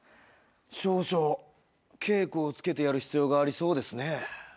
少々稽古をつけてやる必要がありそうですね。